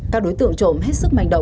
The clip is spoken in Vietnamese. các đối tượng trộm hết sức mạnh